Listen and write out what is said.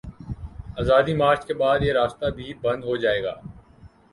آزادی مارچ کے بعد، یہ راستہ بھی بند ہو جائے گا۔